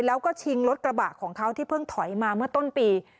แล้วก็ชิงรถกระบะของเขาที่เพิ่งถอยมาเมื่อต้นปี